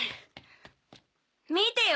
見てよ